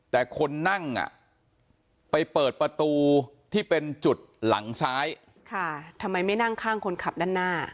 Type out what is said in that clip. แต่คนนั่งไปเปิดประตูที่เป็นจุดหลังซ้ายทำไมไม่นั่งข้างคนขับด้านหน้า